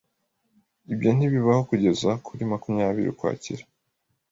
Ibyo ntibibaho kugeza ku ya makumya biri Ukwakira.